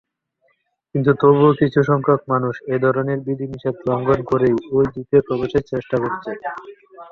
কিন্তু তবুও কিছু সংখ্যক মানুষ এধরনের বিধিনিষেধ লঙ্ঘন করেই ওই দ্বীপে প্রবেশের চেষ্টা করেছেন।